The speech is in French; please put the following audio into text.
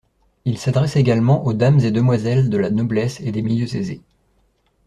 Il s'adresse également aux dames et demoiselles de la noblesse et des milieux aisés.